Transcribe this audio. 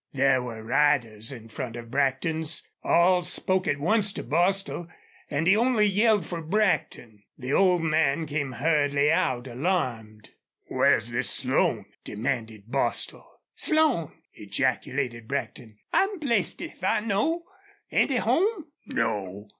There were riders in front of Brackton's. All spoke at once to Bostil, and he only yelled for Brackton. The old man came hurriedly out, alarmed. "Where's this Slone?" demanded Bostil. "Slone!" ejaculated Brackton. "I'm blessed if I know. Ain't he home?" "No.